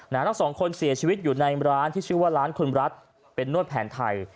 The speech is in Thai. ทั้งสองคนเสียชีวิตอยู่ในร้านที่ชื่อว่าร้านคุณรัฐเป็นนวดแผนไทย